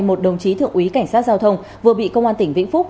một đồng chí thượng úy cảnh sát giao thông vừa bị công an tỉnh vĩnh phúc